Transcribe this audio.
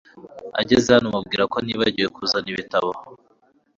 ageze hano, umubwire ko nibagiwe kuzana ibitabo